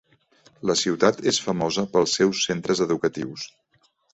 La ciutat és famosa pels seus centres educatius.